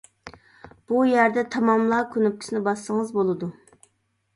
بۇ يەردە «تاماملا» كۇنۇپكىسىنى باسسىڭىز بولىدۇ:.